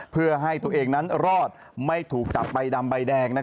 เพื่อให้ตัวเองนั้นรอดไม่ถูกจับใบดำใบแดง